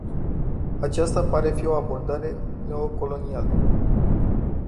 Aceasta pare a fi o abordare neocolonială.